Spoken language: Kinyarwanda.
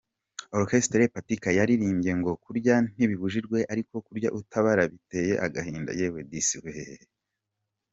Orchestre Pakita yararirimbye ngo “Kurya ntibibujijwe, ariko kurya utabara, biteye agahinda yewe disi we…”.